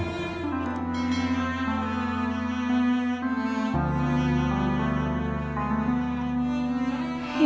aku mau ke rumah sakit ini